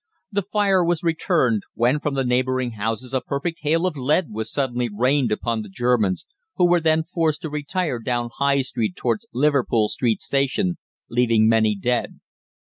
The fire was returned, when from the neighbouring houses a perfect hail of lead was suddenly rained upon the Germans, who were then forced to retire down High Street towards Liverpool Street Station, leaving many dead.